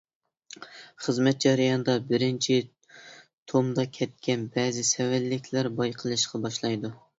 خىزمەت جەريانىدا بىرىنچى تومدا كەتكەن بەزى سەۋەنلىكلەر بايقىلىشقا باشلايدۇ.